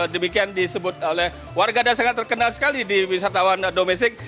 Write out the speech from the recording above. demikian disebut oleh warga dan sangat terkenal sekali di wisatawan domestik